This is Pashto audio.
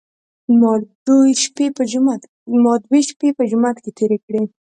ما دوې شپې په جومات کې تېرې کړې.